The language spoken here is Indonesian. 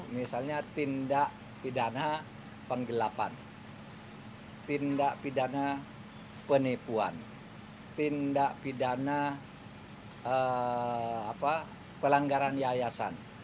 misalnya tindak pidana penggelapan tindak pidana penipuan tindak pidana pelanggaran yayasan